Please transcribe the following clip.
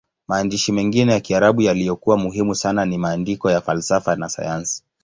Maandishi mengine ya Kiarabu yaliyokuwa muhimu sana ni maandiko ya falsafa na sayansi.